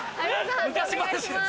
判定お願いします。